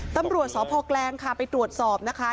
ตำรวจสพแกลงค่ะไปตรวจสอบนะคะ